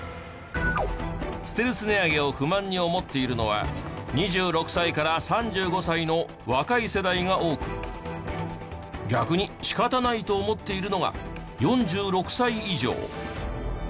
ステルス値上げを不満に思っているのは２６歳から３５歳の若い世代が多く逆に仕方ないと思っているのが４６歳以上。